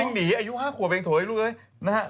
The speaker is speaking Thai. วิ่งหนีอายุ๕ขวบเองถอยลูกเลยนะฮะ